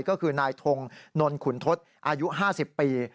ก็คือนายทงนนขุนทศอายุ๕๐ปี